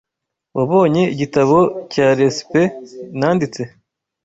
Wabonye igitabo cya resept nanditse?